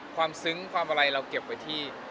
ความซึ้งความมากเราเก็บไป